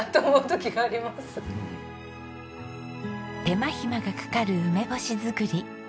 手間暇がかかる梅干し作り。